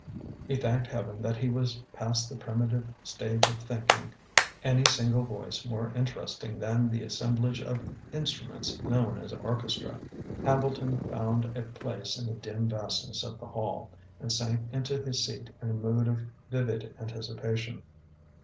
He thanked Heaven that he was past the primitive stage of thinking any single voice more interesting than the assemblage of instruments known as orchestra. Hambleton found a place in the dim vastness of the hall, and sank into his seat in a mood of vivid anticipation.